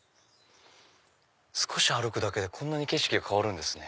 少し歩くだけでこんなに景色が変わるんですね。